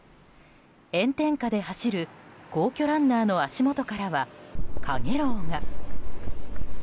炎天下で走る皇居ランナーの足元からは、かげろうが。